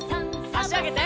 あしあげて。